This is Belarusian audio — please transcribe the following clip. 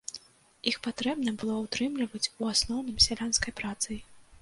Іх патрэбна было ўтрымліваць у асноўным сялянскай працай.